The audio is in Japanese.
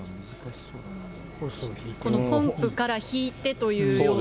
このポンプから引いてというような。